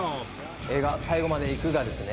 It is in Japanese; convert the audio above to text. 映画「最後まで行く」がですね